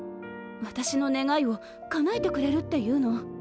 私の願いをかなえてくれるって言うの。